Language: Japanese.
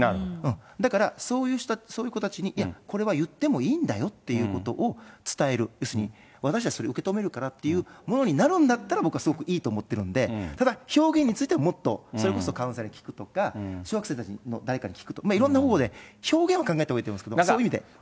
だから、そういう子たちに、いや、これは言ってもいいんだよっていうことを伝える、要するに私たちがそれを受け止めるからということになるんだったら、僕はすごくいいと思ってるんで、ただ、表現については、もっと、それこそカウンセラーに聞くとか、小学生たちの誰かに聞くとか、表現は考えたほうがいいと思いますけど、そういう意味で。